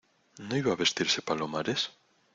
¿ no iba a vestirse Palomares?